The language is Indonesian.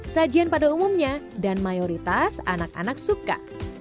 sajian pada umumnya dan mayoritas anak anak suka